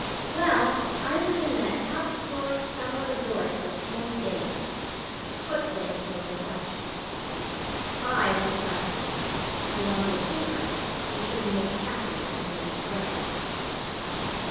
Well, I was in that top story summer resort for ten days. Put there for reflection. I reflected. And on the difference between Miss Katherine and Miss Bray.